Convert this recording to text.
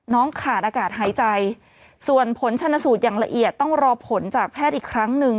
ขาดอากาศหายใจส่วนผลชนสูตรอย่างละเอียดต้องรอผลจากแพทย์อีกครั้งหนึ่ง